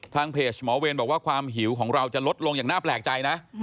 เพจหมอเวรบอกว่าความหิวของเราจะลดลงอย่างน่าแปลกใจนะ